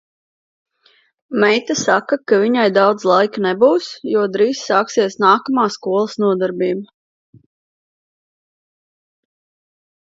Meita saka, ka viņai daudz laika nebūs, jo drīz sāksies nākamā skolas nodarbība.